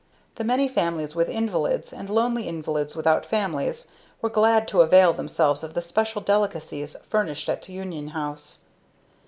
The many families with invalids, and lonely invalids without families, were glad to avail themselves of the special delicacies furnished at Union House.